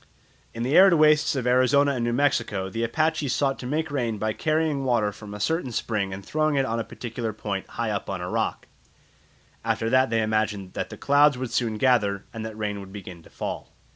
In the arid wastes of Arizona and New Mexico the Apaches sought to make rain by carrying water from a certain spring and throwing it on a particular point high up on a rock; after that they imagined that the clouds would soon gather, and that rain would begin to fall.